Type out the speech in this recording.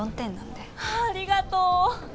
ありがとう！